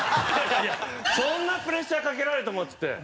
そんなプレッシャーかけられてもっつって。